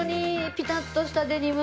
ピタッとしたデニム。